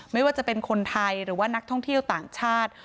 ไม่ว่าจะเป็นคนไทยหรือว่านักท่องเที่ยวต่างชาติ